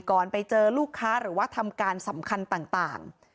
ก่อนไปเจอลูกค้าหรือว่าทำการสำคัญต่าง